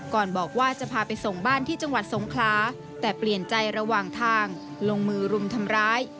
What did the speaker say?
ก่อนบอกว่าจะพาไปส่งบ้านที่จังหวัดสงคลาแต่เปลี่ยนใจระหว่างทางลงมือรุมทำร้าย